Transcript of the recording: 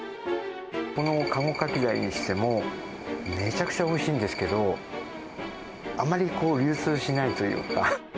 このカゴカキダイにしても、めちゃくちゃおいしいんですけど、あまり流通しないというか。